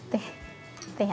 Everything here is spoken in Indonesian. teh teh aja